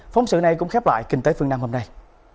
phóng sự này cũng khép lại kinh tế phương nam hôm nay